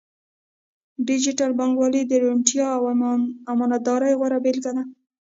ډیجیټل بانکوالي د روڼتیا او امانتدارۍ غوره بیلګه ده.